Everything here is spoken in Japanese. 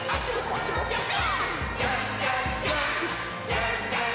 じゃんじゃん！